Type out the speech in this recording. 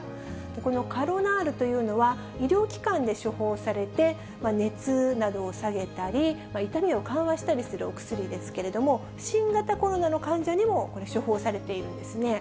このカロナールというのは、医療機関で処方されて、熱などを下げたり、痛みを緩和したりするお薬ですけれども、新型コロナの患者にも処方されているんですね。